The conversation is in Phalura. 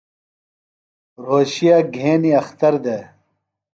رھوشے گھینیۡ اختر دےۡ۔